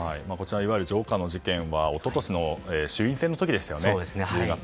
いわゆるジョーカーの事件は一昨年の衆院選の時でしたよね。